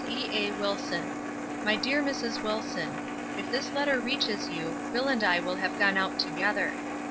E. A. WILSON MY DEAR MRS. WILSON, If this letter reaches you Bill and I will have gone out together.